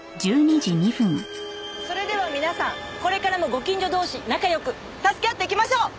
それでは皆さんこれからもご近所同士仲良く助け合っていきましょう！